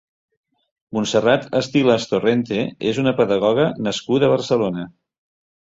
Montserrat Estil·les Torrente és una pedagoga nascuda a Barcelona.